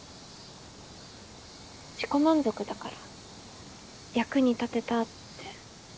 自己満足だから役に立てたって。